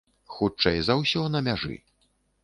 Хутчэй за ўсё, на мяжы.